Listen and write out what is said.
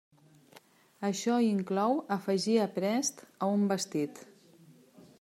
Això inclou afegir aprest a un vestit.